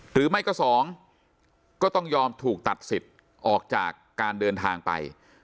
หรือไม่ก็๒ก็ต้องยอมถูกตัดสิทธิ์ออกจากการเดินทางไป